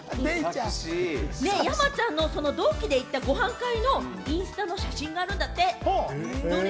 山ちゃんの同期で行ったご飯会のインスタの写真があるんだって、どれ？